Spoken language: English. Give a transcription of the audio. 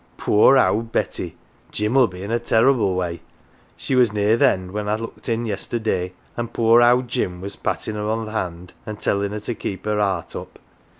" Poor owd Betty ! Jim'll be in a terrible way. She was near th' end when I looked in yesterday, an' poor owd Jim was pattin' her o' th' hand an"" tellin' her to keep her 'eart up.